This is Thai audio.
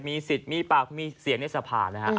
มีสิทธิ์มีปากมีเสียงในสภานะฮะ